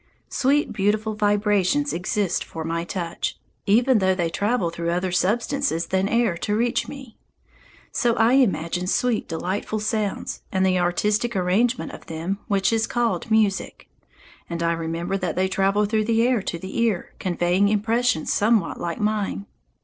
Sweet, beautiful vibrations exist for my touch, even though they travel through other substances than air to reach me. So I imagine sweet, delightful sounds, and the artistic arrangement of them which is called music, and I remember that they travel through the air to the ear, conveying impressions somewhat like mine.